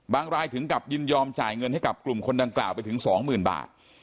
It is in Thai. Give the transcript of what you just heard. รายถึงกับยินยอมจ่ายเงินให้กับกลุ่มคนดังกล่าวไปถึง๒๐๐๐บาท